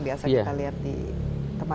biasa kita lihat di tempat